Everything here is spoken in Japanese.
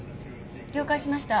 了解しました。